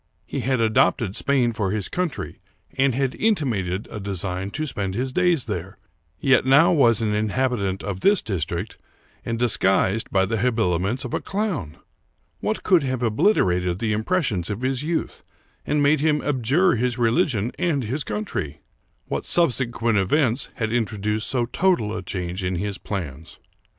He had adopted Spain for his country, and had inti mated a design to spend his days there, yet now was an inhabitant of this district, and disguised by the habiliments of a clown ! What could have obliterated the impressions of his youth and made him abjure his religion and his country? What subsequent events had introduced so total a change in his plans